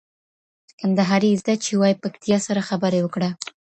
کندهاری زده چي وای پکتيا سره خبرې وکړه